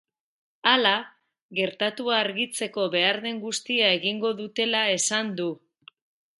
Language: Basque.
Hala, gertatua argitzeko behar den guztia egingo dutela esan du.